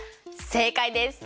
正解です。